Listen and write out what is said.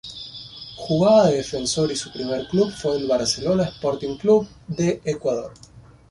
Jugaba de defensor y su primer club fue el Barcelona Sporting Club de Ecuador.